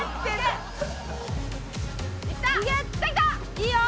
「いいよ。